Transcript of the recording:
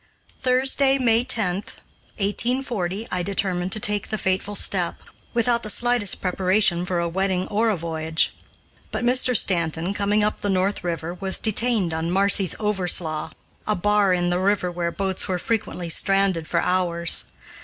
Thursday, May 10, 1840, I determined to take the fateful step, without the slightest preparation for a wedding or a voyage; but Mr. Stanton, coming up the North River, was detained on "Marcy's Overslaugh," a bar in the river where boats were frequently stranded for hours.